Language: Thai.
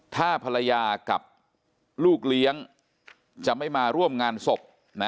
ถ้าภรรยากับลูกเลี้ยงจะไม่มาร่วมงานศพนะ